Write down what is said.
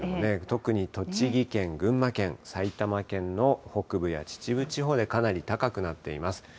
特に栃木県、群馬県、埼玉県の北部や秩父地方でかなり高くなっています。